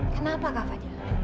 kenapa kak fadil